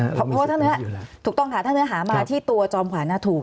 เพราะว่าถ้าเนื้อหามาที่ตัวจอมขวัญถูก